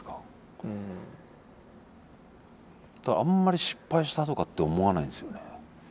だからあまり失敗したとかって思わないんですよね。